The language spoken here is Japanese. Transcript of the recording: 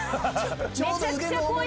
ちょうど腕の重みで。